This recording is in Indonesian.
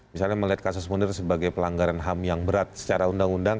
misalnya melihat kasus munir sebagai pelanggaran ham yang berat secara undang undang